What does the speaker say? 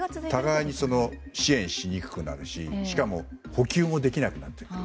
互いに支援しにくくなるししかも補給もできなくなってくる。